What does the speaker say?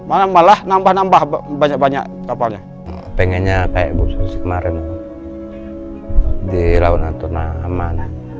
malah malah nambah nambah banyak banyak kapalnya pengennya kayak bu susi kemarin di laut natuna aman